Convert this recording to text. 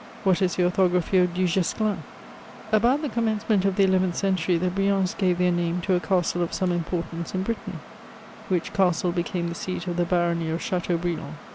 What is the orthography of du Guesclin ? About the commencement of the eleventh century, the Briens gave their name to a castle of some importance in Brittany; which castle became the seat of the Barony of Chateaubriand.